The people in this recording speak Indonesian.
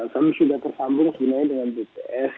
kami sudah terpambung sebenarnya dengan bts